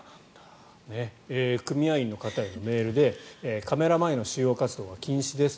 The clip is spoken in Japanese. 組合員の方に、メールでカメラ前の主要活動は禁止です